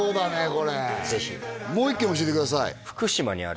これぜひもう一軒教えてください